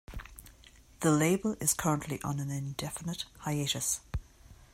The label is currently on an indefinite hiatus.